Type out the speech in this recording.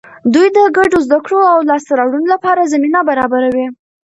دوی د ګډو زده کړو او لاسته راوړنو لپاره زمینه برابروي.